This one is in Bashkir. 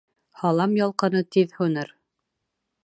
Һалам ялҡыны тиҙ һүнер.